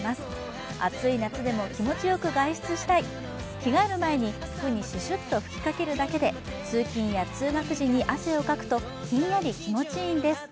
着替える前に、服にシュシュッと吹きかけるだけで通勤や通学時に汗をかくと、ひんやり気持ちいいんです。